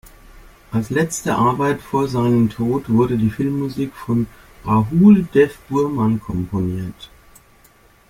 Als letzte Arbeit vor seinem Tod wurde die Filmmusik von Rahul Dev Burman komponiert.